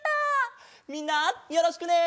みんなよろしくね！